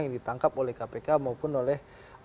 yang ditangkap oleh kpk maupun oleh